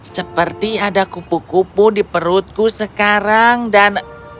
seperti ada kupu kupu di perutku sekarang dan